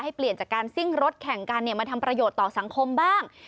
เปลี่ยนจากการซิ่งรถแข่งกันมาทำประโยชน์ต่อสังคมบ้าง